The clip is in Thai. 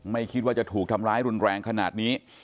ไม่คิดว่าจะถูกทำร้ายรุนแรงขนาดนี้